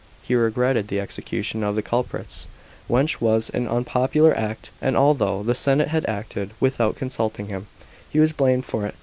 He regretted the execution of the culprits, wrnch was an unpopular act ; and although the senate had acted without consulting him, he was blamed for it.